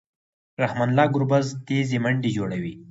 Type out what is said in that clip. رحمن الله ګربز تېزې منډې جوړوي.